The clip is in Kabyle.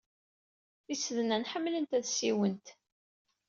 Tisednan ḥemmlent ad ssiwent.